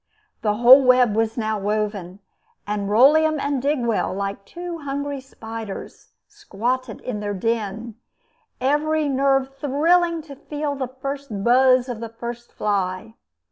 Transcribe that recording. The whole web was now woven; and Rolleum and Digwell, like two hungry spiders, squatted in their den, every nerve thrilling to feel the first buzz of the first fly.